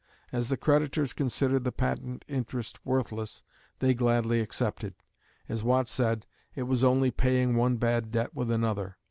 As the creditors considered the patent interest worthless, they gladly accepted. As Watt said, "it was only paying one bad debt with another."